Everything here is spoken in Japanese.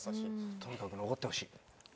とにかく残ってほしい。